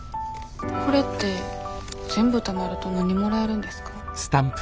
これって全部たまると何もらえるんですか？